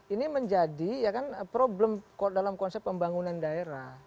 ini menjadi ya kan problem dalam konsep pembangunan daerah